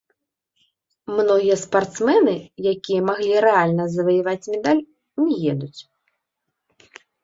Многія спартсмены, якія маглі рэальна заваяваць медаль, не едуць.